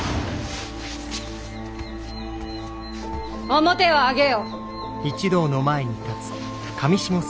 面を上げよ！